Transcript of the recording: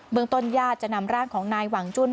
เมืองต้นญาติจะนำร่างของนายหวังจุ้น